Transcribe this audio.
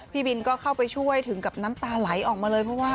พี่บินก็เข้าไปช่วยถึงกับน้ำตาไหลออกมาเลยเพราะว่า